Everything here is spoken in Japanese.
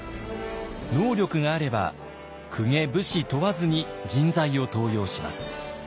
能力があれば公家武士問わずに人材を登用します。